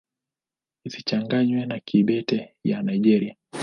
Isichanganywe na Kibete ya Nigeria.